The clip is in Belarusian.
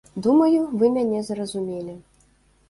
Думаю, вы мяне зразумелі.